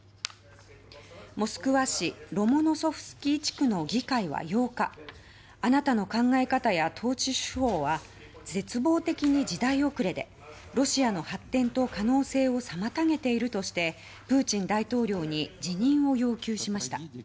モスクワ市ロモノソフスキー地区の議会は８日あなたの考え方や統治手法は絶望的に時代遅れでロシアの発展と可能性を妨げているとしてプーチン大統領に辞任を要求しました。